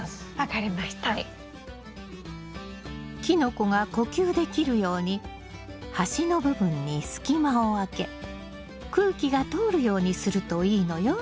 キノコが呼吸できるように端の部分に隙間をあけ空気が通るようにするといいのよ。